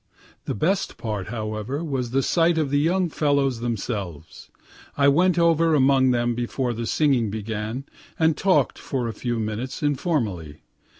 The best part, however, was the sight of the young fellows themselves. I went over among them before the singing began, and talk'd a few minutes informally.